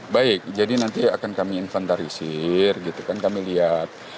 baik jadi nanti akan kami inventarisir kami lihat